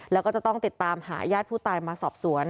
แล้วก็จะต้องติดตามหาญาติผู้ตายมาสอบสวน